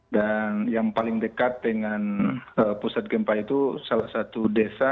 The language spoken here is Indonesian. yang paling dekat dengan pusat gempa itu salah satu desa